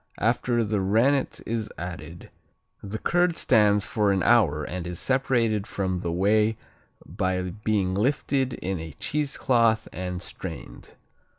After the rennet is added, the curd stands for an hour and is separated from the whey by being lifted in a cheesecloth and strained.